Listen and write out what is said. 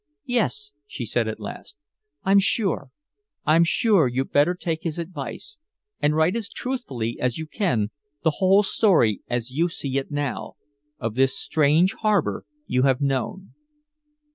"Yes," she said at last, "I'm sure. I'm sure you'd better take his advice and write as truthfully as you can the whole story as you see it now of this strange harbor you have known."